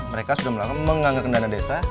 mereka sudah melakukan menganggarkan dana desa